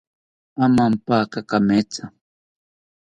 Amampaka kametha